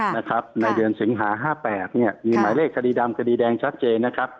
ในเดือนสิงหา๕๘มีหมายเลขคดีดำคดีแดงชัดเจน